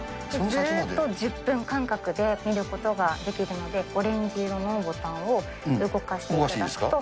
ずっと１０分間隔で見ることができるので、オレンジ色のボタンを動かしていただくと。